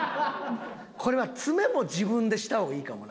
これは詰めも自分でした方がいいかもな。